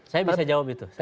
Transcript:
saya bisa jawab itu